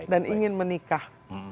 dan ingin menikah